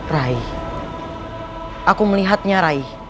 rai aku melihatnya rai